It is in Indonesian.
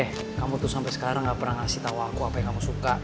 eh kamu tuh sampai sekarang gak pernah ngasih tau aku apa yang kamu suka